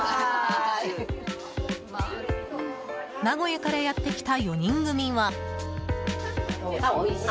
名古屋からやってきた４人組は。